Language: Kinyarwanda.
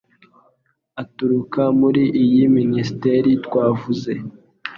aturuka muri iyi Minisiteri twavuze